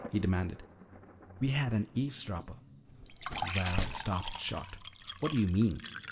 he demanded. "We had an eavesdropper." Val stopped short. "What do you mean?"